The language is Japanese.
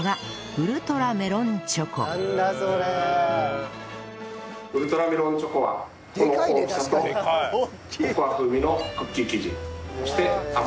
ウルトラメロンチョコはこの大きさとココア風味のクッキー生地そして甘い菓子パン生地